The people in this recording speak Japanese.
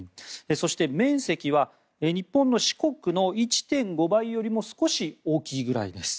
そして、面積は日本の四国の１．５倍よりも少し大きいぐらいです。